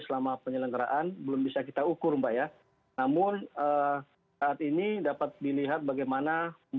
selama penyelenggaraan belum bisa kita ukur mbak ya